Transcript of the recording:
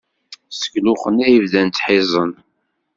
Seg luxen ay bdan ttḥiẓen.